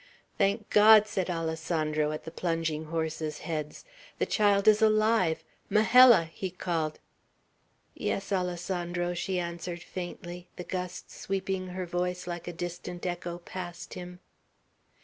"Thank God!" said Alessandro, at the plunging horses' heads. "The child is alive! Majella!" he called. "Yes, Alessandro," she answered faintly, the gusts sweeping her voice like a distant echo past him.